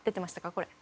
これ。